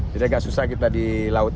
jadi agak susah kita di laut